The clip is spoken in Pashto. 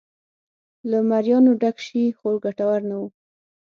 له مریانو ډک شي خو ګټور نه و.